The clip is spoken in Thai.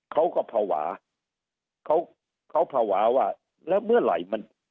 เขาก็ภาวะเขาเขาภาวะว่าแล้วเมื่อไหร่มัน